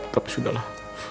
tapi sudah lah